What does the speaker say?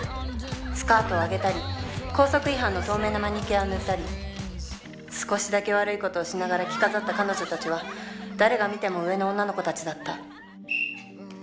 スカートをあげたり校則違反の透明のマニキュアを塗ったり少しだけ悪いことをしながら着飾った彼女たちは誰が見ても“上”の女の子たちだった。